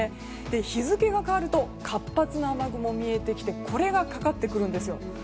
日付が変わると活発な雨雲が見えてきてこれがかかってくるんですよ。